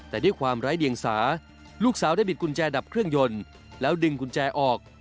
แต่ด้วยความไร้เดียงสาลูกสาวได้บิดกุญแจดับเครื่องยนต์แล้วดึงกุญแจออก